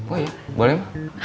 oh iya boleh emang